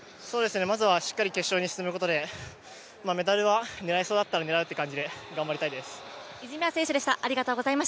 まずはしっかり決勝に進むことで、メダルは狙えそうだったら狙うって感じで頑張りたいです。